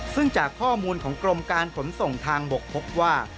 ซึ่งจากข้อมูลของกรมการขนส่งทางบกพบว่า